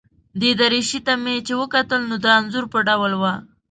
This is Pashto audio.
دې درویشي ته مې چې وکتل، نو د انځور په ډول وه.